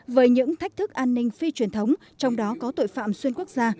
với những thách thức an ninh phi truyền thống trong đó có tội phạm xuyên quốc gia